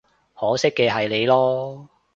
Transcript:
可惜嘅係你囉